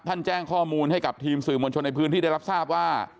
แจ้งข้อมูลให้กับทีมสื่อมวลชนในพื้นที่ได้รับทราบว่า